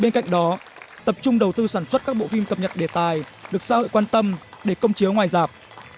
bên cạnh đó tập trung đầu tư sản xuất các bộ phim cập nhật đề tài được xã hội quan tâm để công chiếu ngoài dạp